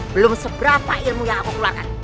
belum seberapa ilmu yang aku keluarkan